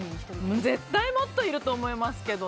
絶対もっといると思いますけど。